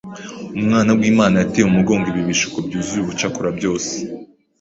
Umwana w’Imana yateye umugongo ibi bishuko byuzuye ubucakura byose,